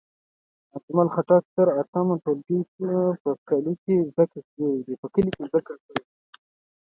اجمل خټک تر اتم ټولګی په کلي کې زدکړې وکړې.